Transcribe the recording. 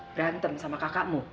berantem sama kakakmu